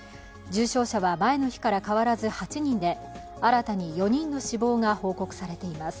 重症者は前の日から変わらず８人で新たに４人の死亡が報告されています。